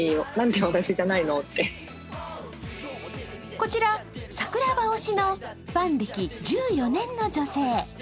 こちら、櫻葉推しのファン歴１４年の女性。